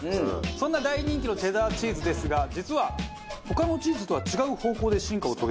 そんな大人気のチェダーチーズですが実は他のチーズとは違う方向で進化を遂げていると。